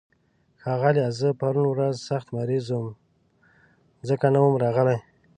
ښاغليه، زه پرون ورځ سخت مريض وم، ځکه نه وم راغلی.